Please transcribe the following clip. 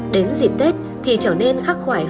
đến dịp tết thì trở nên khắc khoải hơn bao giờ hết